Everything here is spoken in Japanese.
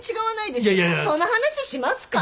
その話しますか？